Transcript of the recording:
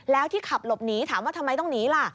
แล้วที่ขับหลบหนีถามว่าทำไมต้องหนีล่ะ